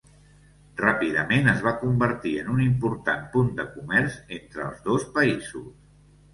Ràpidament es va convertir en un important punt de comerç entre els dos països.